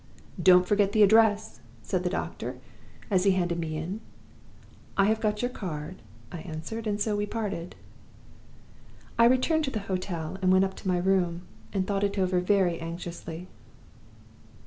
'Don't forget the address,' said the doctor, as he handed me in. 'I have got your card,' I answered, and so we parted. "I returned to the hotel, and went up into my room, and thought over it very anxiously.